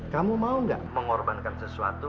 kamu mau gak mengorbankan sesuatu